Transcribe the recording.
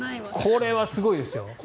これはすごいですよ。